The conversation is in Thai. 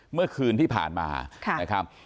เมื่อคืนที่ผ่านมานะครับ